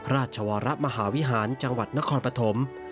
ราชวรมหาวิหารจังหวัดนครปฐม